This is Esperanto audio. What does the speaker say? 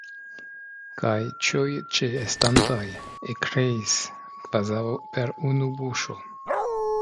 Kaj ĉiuj ĉeestantoj ekkriis kvazaŭ per unu buŝo.